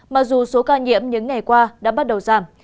mặc dù số ca nhiễm những ngày qua đã bắt đầu giảm